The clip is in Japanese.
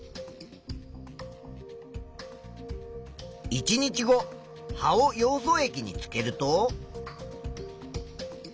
１日後葉をヨウ素液につけると。